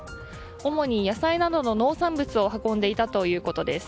主に野菜などの農産物を運んでいたということです。